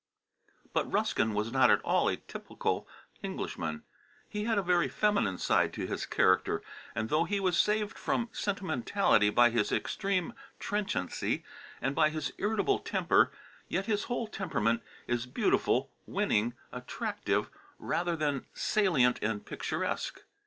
But Ruskin was not at all a typical Englishman; he had a very feminine side to his character, and though he was saved from sentimentality by his extreme trenchancy, and by his irritable temper, yet his whole temperament is beautiful, winning, attractive, rather than salient and picturesque.